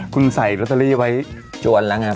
คุณใส่ลอตเตอรี่ไว้จวนแล้วไง